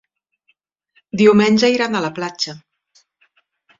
Diumenge iran a la platja.